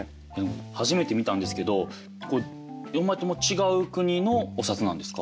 初めて見たんですけど４枚とも違う国のお札なんですか？